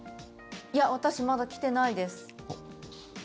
いや、私まだ来てないです。